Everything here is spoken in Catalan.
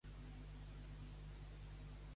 Per què la Shakira va deixar a en Piqué?